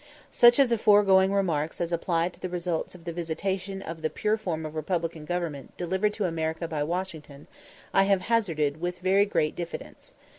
Such of the foregoing remarks as apply to the results of the vitiation of the pure form of republican government delivered to America by Washington, I have hazarded with very great diffidence.